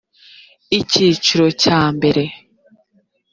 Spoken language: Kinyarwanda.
icyiciro cya mbere